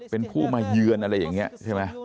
เป็นผู้มาเยือนอะไรอย่างนี้ใช่ไหม